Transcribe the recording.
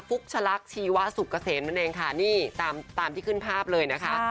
ุ๊กชะลักชีวะสุกเกษมนั่นเองค่ะนี่ตามตามที่ขึ้นภาพเลยนะคะ